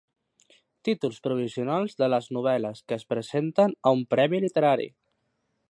Títols provisionals de les novel·les que es presenten a un premi literari.